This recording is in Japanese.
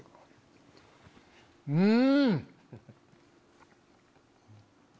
うん！